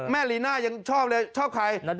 แม่ลีน่ายังชอบใคร